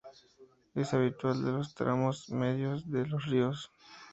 Es habitual de los tramos medios de los ríos.